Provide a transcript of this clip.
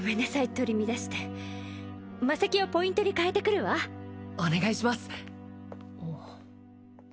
取り乱して魔石をポイントに替えてくるわお願いします